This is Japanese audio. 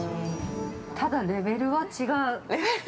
ただ、レベルは違う。